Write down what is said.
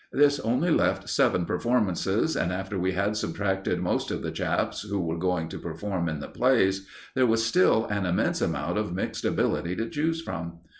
This only left seven performances, and after we had subtracted most of the chaps who were going to perform in the plays, there was still an immense amount of mixed ability to choose from.